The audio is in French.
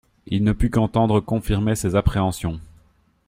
Il ne put qu'entendre confirmer ses appréhensions.